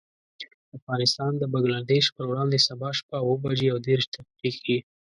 افغانستان د بنګلدېش پر وړاندې، سبا شپه اوه بجې او دېرش دقيقې.